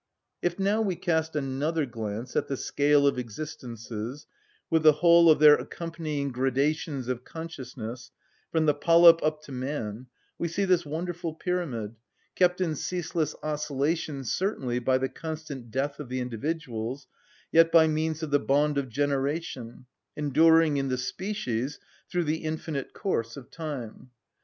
If now we cast another glance at the scale of existences, with the whole of their accompanying gradations of consciousness, from the polyp up to man, we see this wonderful pyramid, kept in ceaseless oscillation certainly by the constant death of the individuals, yet by means of the bond of generation, enduring in the species through the infinite course of time.